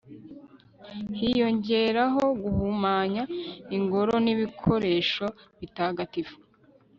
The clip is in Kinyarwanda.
hiyongeraho guhumanya ingoro n'ibikoresho bitagatifu